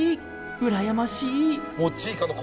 羨ましい。